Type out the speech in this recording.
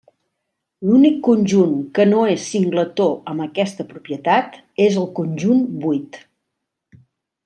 L'únic conjunt que no és singletó amb aquesta propietat és el conjunt buit.